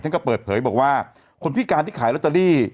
ก็เปิดเผยบอกว่าคนพิการที่ขายลอตเตอรี่